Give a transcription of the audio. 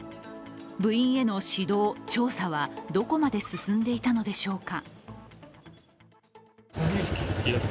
部員への指導・調査はどこまで進んでいたのでしょうか。